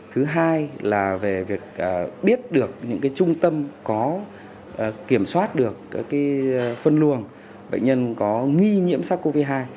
thứ hai là về việc biết được những trung tâm có kiểm soát được phân luồng bệnh nhân có nghi nhiễm sắc covid một mươi chín